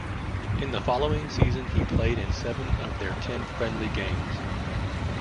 In the following season he played in seven of their ten friendly games.